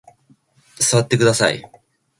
座ってください。